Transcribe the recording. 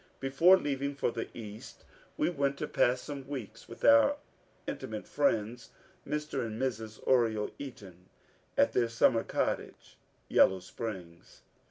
Before leaving for the East we went to pass some weeks with our intimate friends, Mr. and Mrs. Oriel Eaton, at their summer cottage. Yellow Springs.